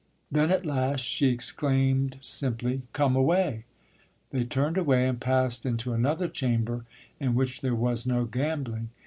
Then at last she exclaimed simply, "Come away!" They turned away and passed into another chamber, in which there was no gambling.